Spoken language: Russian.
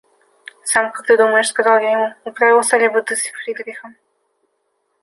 – Сам как ты думаешь? – сказал я ему, – управился ли бы ты с Фридериком?